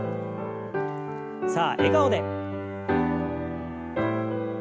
さあ笑顔で。